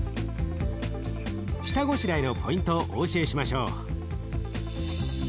下ごしらえのポイントをお教えしましょう。